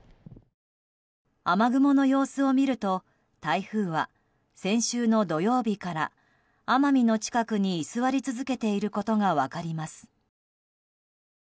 雨雲の様子を見ると台風は、先週の土曜日から奄美の近くに居座り続けていることが分かります。